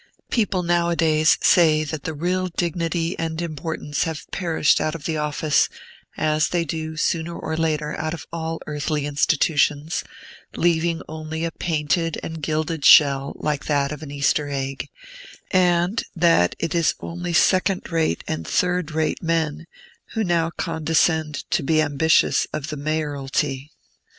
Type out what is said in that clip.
People nowadays say that the real dignity and importance have perished out of the office, as they do, sooner or later, out of all earthly institutions, leaving only a painted and gilded shell like that of an Easter egg, and that it is only second rate and third rate men who now condescend to be ambitious of the Mayoralty.